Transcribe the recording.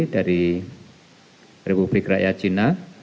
dari republik rakyat cina